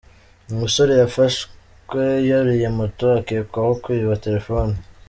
Umusore yafashwe yuriye moto akekwaho kwiba telefoni